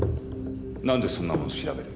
なんでそんなもの調べる？